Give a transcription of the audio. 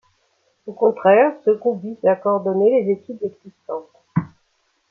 Au contraire, ce groupe vise à coordonner les équipes existantes.